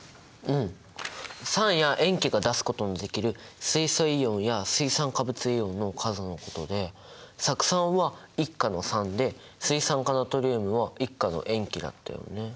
うん酸や塩基が出すことのできる水素イオンや水酸化物イオンの数のことで酢酸は１価の酸で水酸化ナトリウムは１価の塩基だったよね。